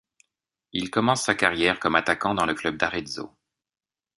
Il commence sa carrière comme attaquant dans le club d'Arezzo.